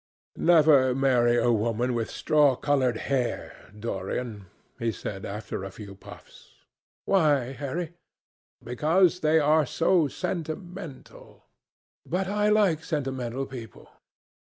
"Never marry a woman with straw coloured hair, Dorian," he said after a few puffs. "Why, Harry?" "Because they are so sentimental." "But I like sentimental people."